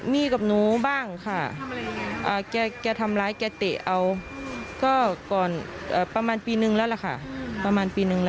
มีกับหนูบ้างค่ะแกทำร้ายแกเตะเอาก็ก่อนประมาณปีหนึ่งแล้วล่ะค่ะ